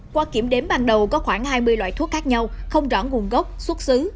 qua kiểm đếm ban đầu có khoảng hai mươi loại thuốc khác nhau không rõ nguồn gốc xuất xứ